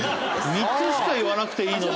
３つしか言わなくていいのに。